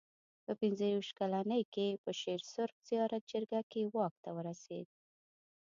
په پنځه ویشت کلنۍ کې په شېر سرخ زیارت جرګه کې واک ته ورسېد.